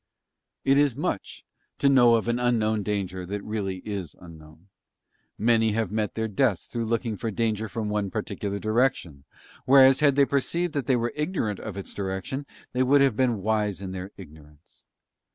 It is much to know of an unknown danger that it really is unknown. Many have met their deaths through looking for danger from one particular direction, whereas had they perceived that they were ignorant of its direction they would have been wise in their ignorance.